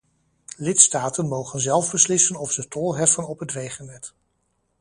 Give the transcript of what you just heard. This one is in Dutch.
Lidstaten mogen zelf beslissen of ze tol heffen op het wegennet.